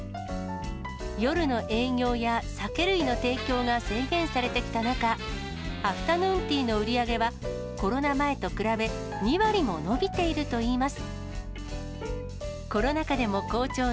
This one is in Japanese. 夜の営業や酒類の提供が制限されてきた中、アフタヌーンティーの売り上げはコロナ前と比べ、２割も伸びているといいます。